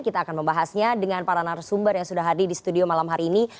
kita akan membahasnya dengan para narasumber yang sudah hadir di studio malam hari ini